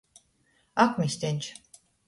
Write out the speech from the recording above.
Akmisteņš.